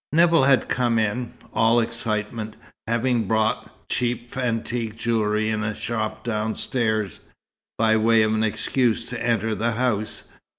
Nevill had come in, all excitement, having bought cheap "antique" jewellery in a shop downstairs, by way of an excuse to enter the house.